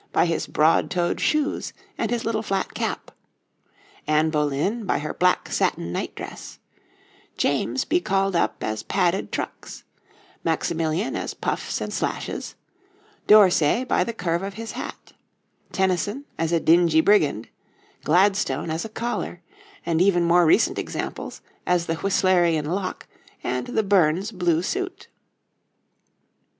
by his broad toed shoes and his little flat cap; Anne Boleyn by her black satin nightdress; James be called up as padded trucks; Maximilian as puffs and slashes; D'Orsay by the curve of his hat; Tennyson as a dingy brigand; Gladstone as a collar; and even more recent examples, as the Whistlerian lock and the Burns blue suit.